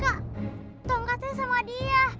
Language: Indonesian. kak tongkatnya sama dia